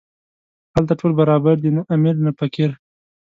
هلته ټول برابر دي، نه امیر نه فقیر.